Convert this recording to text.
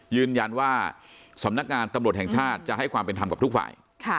ยืนยันว่าสำนักงานตำรวจแห่งชาติจะให้ความเป็นธรรมกับทุกฝ่าย